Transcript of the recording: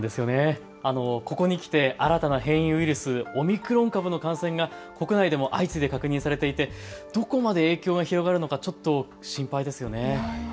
ここに来て新たな変異ウイルス、オミクロン株の感染が国内でも相次いで確認されていてどこまで影響が広がるのかちょっと心配ですよね。